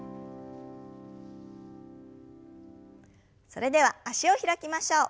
それでは脚を開きましょう。